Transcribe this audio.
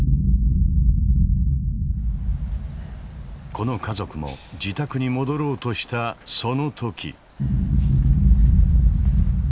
この家族も自宅に戻ろうとしたその時。